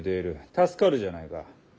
助かるじゃないか。